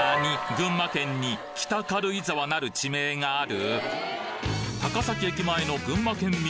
群馬県に北軽井沢なる地名がある？